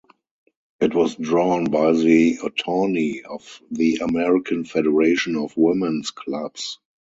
It was drawn by the attorney of the American Federation of Women's Clubs.